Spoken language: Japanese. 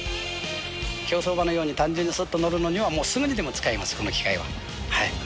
競走馬のように単純にすっと乗るのには、すぐにでも使えます、この機械は。